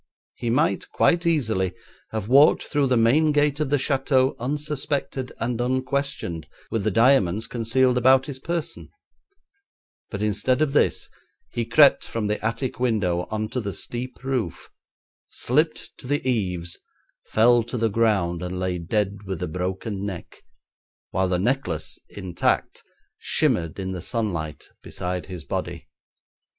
He might quite easily have walked through the main gate of the Château unsuspected and unquestioned with the diamonds concealed about his person, but instead of this he crept from the attic window on to the steep roof, slipped to the eaves, fell to the ground, and lay dead with a broken neck, while the necklace, intact, shimmered in the sunlight beside his body.